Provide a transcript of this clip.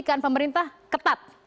karena pemerintah ketat